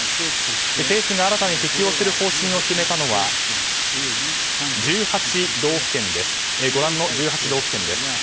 政府が新たに適用する方針を決めたのはご覧の１８道府県です。